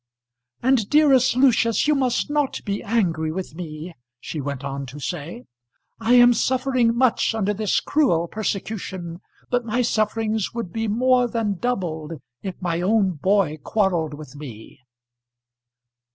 "And, dearest Lucius, you must not be angry with me," she went on to say; "I am suffering much under this cruel persecution, but my sufferings would be more than doubled if my own boy quarrelled with me."